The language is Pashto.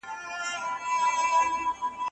آيا دا ډول پېښې بيا تکراريدای سي؟